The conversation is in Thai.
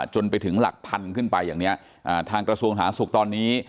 จนไปถึงหลักพันขึ้นไปอย่างนี้ทางกระทรวงสาธารณสุขตอนนี้